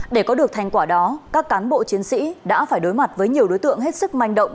để có được thành quả đó các cán bộ chiến sĩ đã phải đối mặt với nhiều đối tượng hết sức manh động